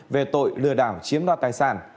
về tội lừa đảo chiếm đoạt tài sản